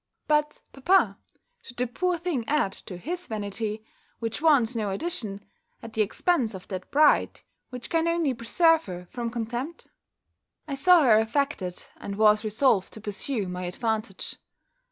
But, papa, should the poor thing add to his vanity, which wants no addition, at the expense of that pride, which can only preserve her from contempt?" I saw her affected, and was resolved to pursue my advantage.